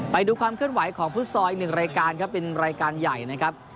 ไปดูความเคลื่อนไหวของฟุตซอลอีกหนึ่งรายการครับเป็นรายการใหญ่นะครับ